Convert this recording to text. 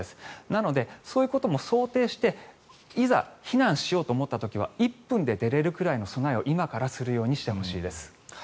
なので、そういうことも想定していざ避難しようと思った時は１分で出れるくらいの備えを今からするようにしてほしいです。